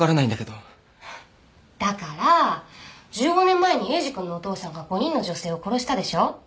１５年前にエイジ君のお父さんが５人の女性を殺したでしょ。